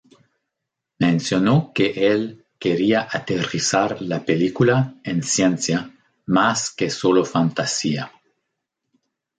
Mencionó que el quería aterrizar la película en ciencia más que sólo fantasía.